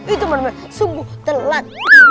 itu bener bener sungguh telat